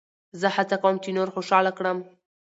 زه هڅه کوم، چي نور خوشحاله کړم.